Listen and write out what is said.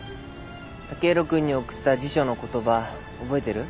剛洋君に贈った辞書の言葉覚えてる？